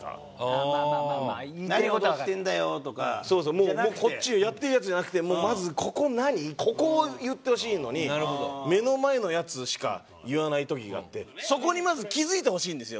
もうこっちでやってるやつじゃなくてまずここ何ここを言ってほしいのに目の前のやつしか言わない時があってそこにまず気付いてほしいんですよ。